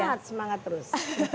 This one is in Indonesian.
semangat semangat terus